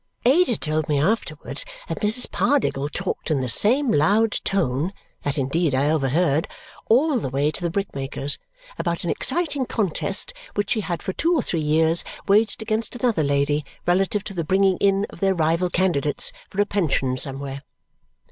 Ada told me afterwards that Mrs. Pardiggle talked in the same loud tone (that, indeed, I overheard) all the way to the brickmaker's about an exciting contest which she had for two or three years waged against another lady relative to the bringing in of their rival candidates for a pension somewhere.